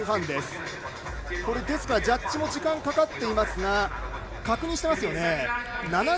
ですからジャッジも時間かかっていますが確認していましたね。